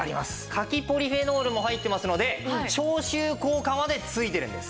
柿ポリフェノールも入ってますので消臭効果までついてるんです。